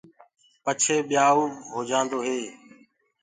پڇي ٻيآئوٚ هوجآندو هي۔